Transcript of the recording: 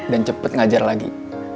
dan cepat ngajar lagi